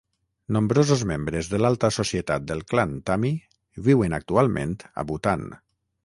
Nombrosos membres de l'alta societat del clan Thami viuen actualment a Bhutan.